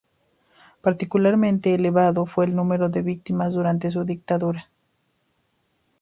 Particularmente elevado fue el número de víctimas durante su dictadura.